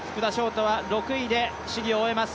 大は６位で試技を終えます。